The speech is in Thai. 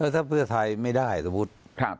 ถ้าเพื่อไทยไม่ได้สมมุติ